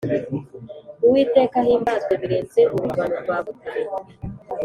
Uwiteka ahimbazwe birenze urugabano rwa butare